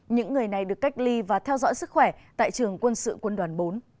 những người này được cách ly và theo dõi sức khỏe tại trường quân sự quân đoàn bốn